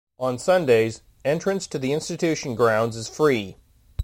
On Sundays, entrance to the Institution grounds is free.